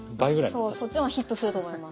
そうそっちの方がヒットすると思います。